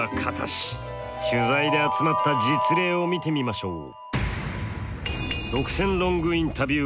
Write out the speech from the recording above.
取材で集まった実例を見てみましょう。